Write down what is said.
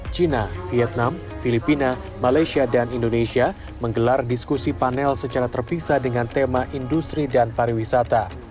china vietnam filipina malaysia dan indonesia menggelar diskusi panel secara terpisah dengan tema industri dan pariwisata